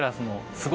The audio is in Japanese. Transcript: すごい！